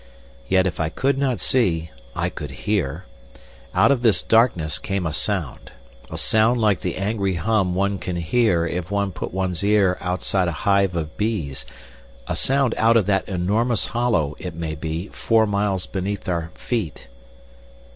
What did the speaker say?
Yet if I could not see, I could hear. Out of this darkness came a sound, a sound like the angry hum one can hear if one puts one's ear outside a hive of bees, a sound out of that enormous hollow, it may be, four miles beneath our feet...